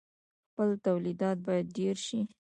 خپل تولیدات باید ډیر شي.